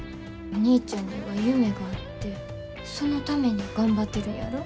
お兄ちゃんには夢があってそのために頑張ってるんやろ？